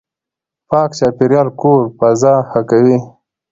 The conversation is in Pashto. پاک چاپېريال کور فضا ښه کوي.